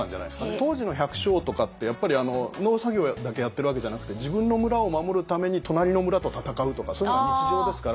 当時の百姓とかってやっぱり農作業だけやってるわけじゃなくて自分の村を守るために隣の村と戦うとかそういうのが日常ですから。